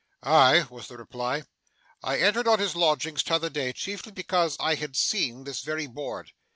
'Aye,' was the reply. 'I entered on his lodgings t'other day, chiefly because I had seen this very board.